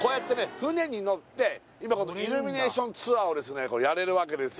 船に乗ってイルミネーションツアーをですねやれるわけですよ